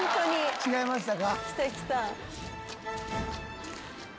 違いましたか？